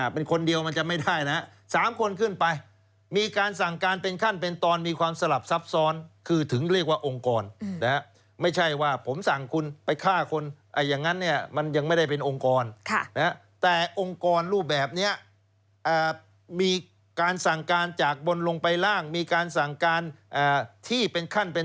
เป็นคนเดียวมันจะไม่ได้นะ๓คนขึ้นไปมีการสั่งการเป็นขั้นเป็นตอนมีความสลับซับซ้อนคือถึงเรียกว่าองค์กรนะฮะไม่ใช่ว่าผมสั่งคุณไปฆ่าคนอย่างนั้นเนี่ยมันยังไม่ได้เป็นองค์กรแต่องค์กรรูปแบบนี้มีการสั่งการจากบนลงไปล่างมีการสั่งการที่เป็นขั้นเป็น